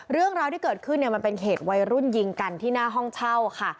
เรื่องราวที่เกิดขึ้นเนี่ยมันเป็นเหตุวัยรุ่นยิงกันที่หน้าห้องเช่าค่ะ